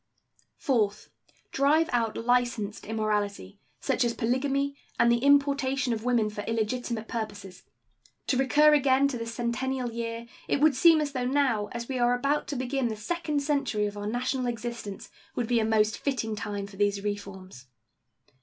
Fourth. Drive out licensed immorality, such as polygamy and the importation of women for illegitimate purposes. To recur again to the centennial year, it would seem as though now, as we are about to begin the second century of our national existence, would be a most fitting time for these reforms.